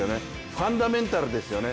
ファンダメンタルですよね。